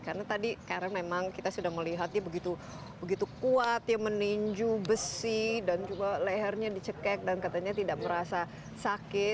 karena tadi karena memang kita sudah melihatnya begitu kuat meninju besi dan juga lehernya dicekek dan katanya tidak merasa sakit